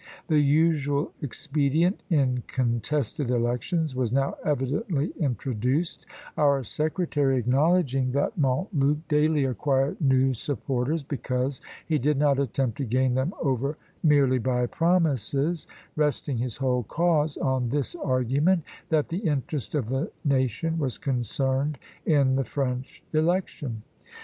The usual expedient in contested elections was now evidently introduced; our secretary acknowledging that Montluc daily acquired new supporters, because he did not attempt to gain them over merely by promises resting his whole cause on this argument, that the interest of the nation was concerned in the French election.